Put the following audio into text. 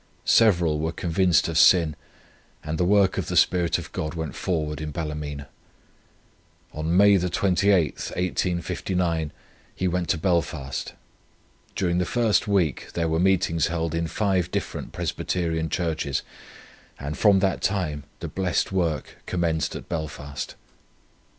Several were convinced of sin and the work of the Spirit of God went forward in Ballymena. On May 28th, 1859, he went to Belfast. During the first week there were meetings held in five different Presbyterian Churches, and from that time the blessed work commenced at Belfast.